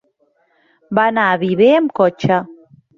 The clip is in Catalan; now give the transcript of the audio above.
Va anar a Viver amb cotxe.